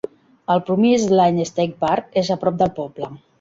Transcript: El Promised Land State Park és a prop del poble.